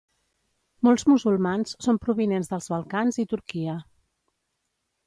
Molts musulmans són provinents dels Balcans i Turquia.